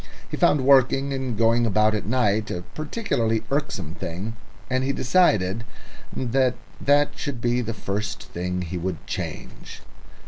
He found working and going about at night a particularly irksome thing, and he decided that that should be the first thing he would change.